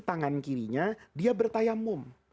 tangan kirinya dia bertayamum